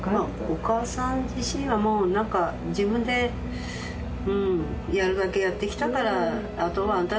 お母さん自身はもうなんか自分でやるだけやってきたからあとはあんたたち。